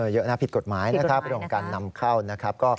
เยอะนะผิดกฎหมายนะครับเรื่องของการนำเข้านะครับ